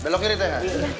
belok kiri teh